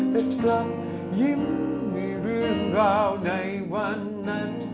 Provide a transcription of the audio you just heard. กำลังยิ้มในเรื่องราวในวันนั้น